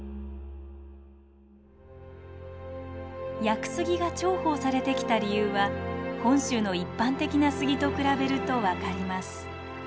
屋久杉が重宝されてきた理由は本州の一般的な杉と比べると分かります。